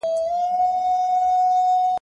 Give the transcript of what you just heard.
چې یو شاعر په دوی کې ډوب پهکار دی.